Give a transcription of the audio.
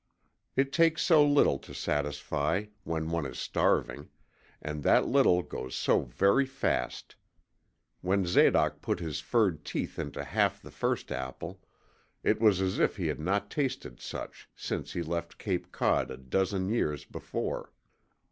It takes so little to satisfy, when one is starving, and that little goes so very fast! When Zadoc put his furred teeth into half the first apple, it was as if he had not tasted such since he left Cape Cod a dozen years before.